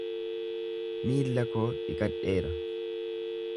Miilla koo dhiqadheera.